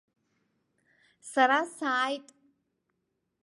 Сара сааит.